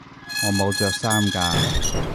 我冇着衫㗎